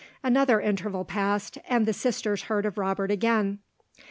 Another interval passed and the sisters heard of Robert again.